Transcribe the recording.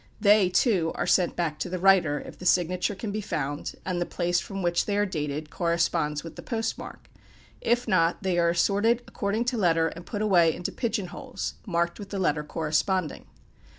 They, too, are sent back to the writer, if the signature can be found, and the place from which they are dated corresponds with the post mark; if not, they are assorted according to letter and put away into "pigeon holes," marked with the letter corresponding.